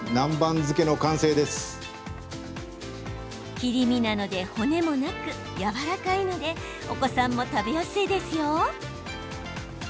切り身なので骨もなくやわらかいのでお子さんも食べやすいですよ。